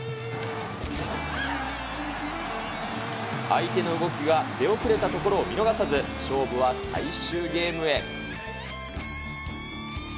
相手の動きが出遅れたところを見逃さず、勝負は最終ゲームへ。